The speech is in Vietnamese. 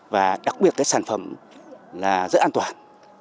và đặc biệt cái sản phẩm là dễ an toàn